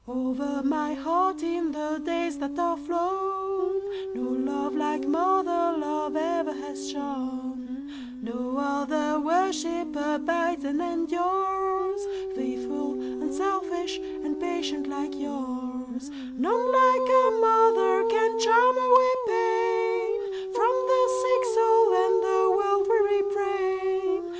Over my heart, in the days that are flown, No love like mother love ever has shone; No other worship abides and endures,—Faithful, unselfish, and patient like yours:None like a mother can charm away painFrom the sick soul and the world weary brain.